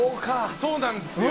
そうなんですよ。